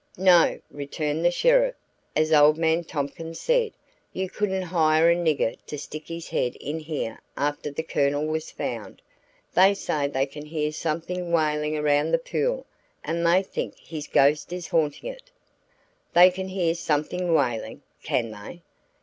"No," returned the sheriff, "as old man Tompkins said, you couldn't hire a nigger to stick his head in here after the Colonel was found. They say they can hear something wailing around the pool and they think his ghost is haunting it." "They can hear something wailing, can they?"